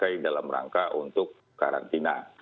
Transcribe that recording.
jadi itu adalah yang terangkat untuk karantina